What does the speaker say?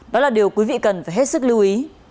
đó là điều quý vị cần phải hết sức lưu ý